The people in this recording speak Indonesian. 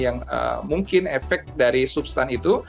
yang mungkin efek dari substan itu